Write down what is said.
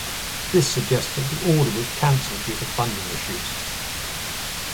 This suggests that the order was cancelled due to funding issues.